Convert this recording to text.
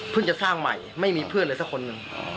จะสร้างใหม่ไม่มีเพื่อนเลยสักคนหนึ่ง